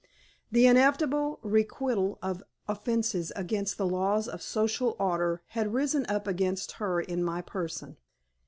The inevitable requital of offences against the laws of social order had risen up against her in my person.